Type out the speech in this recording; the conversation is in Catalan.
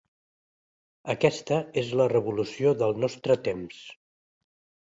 Aquesta és la revolució del nostre temps!